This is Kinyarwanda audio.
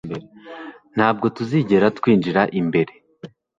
Ntabwo tuzigera twinjira imbere